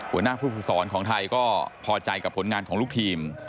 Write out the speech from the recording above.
หัวหน้าผู้ฝึกสอนของไทยก็พอใจกับผลงานของลูกทีม